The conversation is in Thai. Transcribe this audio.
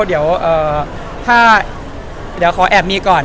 เดี๋ยวขอแอบมี่ก่อน